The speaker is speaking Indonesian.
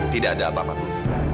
tidak ada apa apa pun